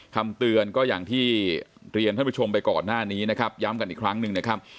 คำเตือนก็อย่างที่เรียนท่านผู้ชมไปก่อนหน้านี้นะครับย้ำกันอีกครั้งหนึ่งนะครับ